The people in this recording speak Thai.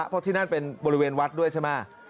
เพราะที่นั่นเป็นบริเวณวัดด้วยใช่ไหม